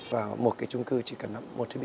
và một cái trung cư chỉ cần nắm một thiết bị